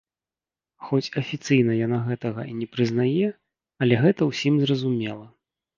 Хоць афіцыйна яна гэтага і не прызнае, але гэта ўсім зразумела.